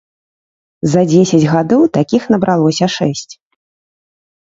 За дзесяць гадоў такіх набралося шэсць.